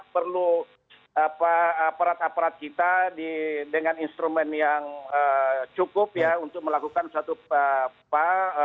perlu aparat aparat kita dengan instrumen yang cukup ya untuk melakukan suatu apa